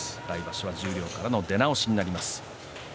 来場所は十両からの出直しになります。